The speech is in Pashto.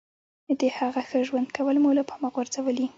د هغه ښه ژوند کول مو له پامه غورځولي.